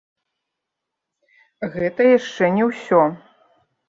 Гэта яшчэ не ўсё.